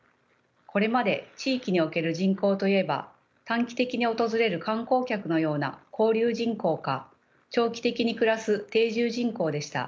これまで地域における人口といえば短期的に訪れる観光客のような交流人口か長期的に暮らす定住人口でした。